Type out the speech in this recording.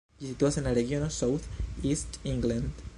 Ĝi situas en la regiono South East England.